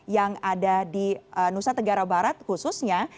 yang ada di nusa tenggara barat khususnya